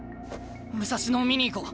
武蔵野を見に行こう。